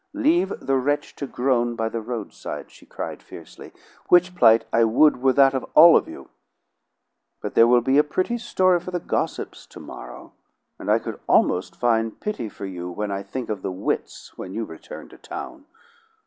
Leave the wretch to groan by the roadside," she cried fiercely, "which plight I would were that of all of you! But there will be a pretty story for the gossips to morrow! And I could almost find pity for you when I think of the wits when you return to town.